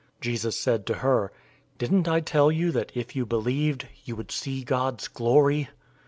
011:040 Jesus said to her, "Didn't I tell you that if you believed, you would see God's glory?"